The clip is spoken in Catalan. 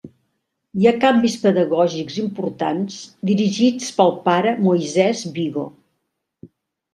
Hi ha canvis pedagògics importants, dirigits pel pare Moisès Vigo.